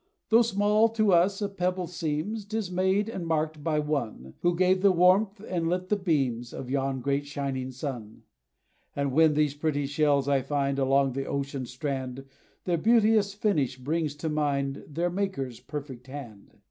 "Though small to us a pebble seems, 'T is made and marked by One, Who gave the warmth, and lit the beams Of yon great shining sun. "And when these pretty shells I find, Along the ocean strand, Their beauteous finish brings to mind Their Maker's perfect hand.